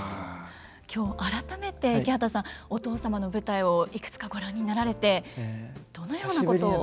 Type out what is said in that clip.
今日改めて池畑さんお父様の舞台をいくつかご覧になられてどのようなことを？